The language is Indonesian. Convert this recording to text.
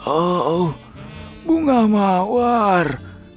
oh bunga mawar